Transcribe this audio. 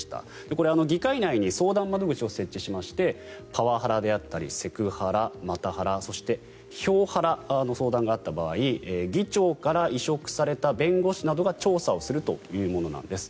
これは議会内に相談窓口を設置しましてパワハラであったりセクハラ、マタハラそして票ハラの相談があった場合議長から委嘱された弁護士などが調査をするというものです。